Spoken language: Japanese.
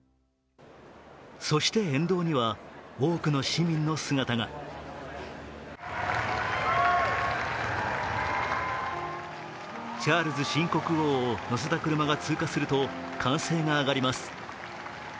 そして、沿道には多くの市民の姿がチャールズ新国王を乗せた車が通過すると歓声が上がります。